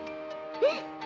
うん！